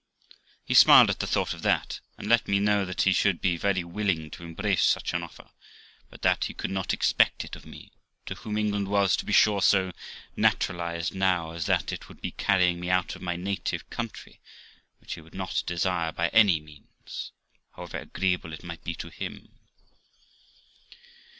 He smiled at the thoughts of that, and let me know that he should be very willing to embrace such an offer; but that he could not expect it of me, to whom England was, to be sure, so naturalised now as that it would be carrying me out of my native country, which he would not desire by any means, however agreeable it might be to him.